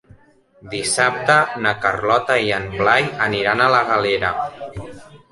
Dissabte na Carlota i en Blai aniran a la Galera.